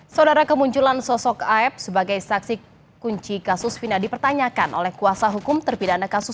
saudara kemunculan sosok aeb sebagai saksi kunci kasus fina dipertanyakan oleh kuasa hukum terpidana kasus